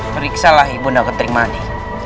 periksalah ibu nda ketering mani